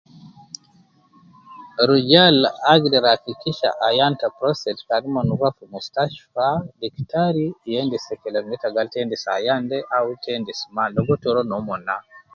Rujal agder hakikisha ayan ta prostate kan mon rua fi mustashtfa diktari ya endis te kelem neta gal ita endis ayan de au ita endis ma, logo ita rua nomon na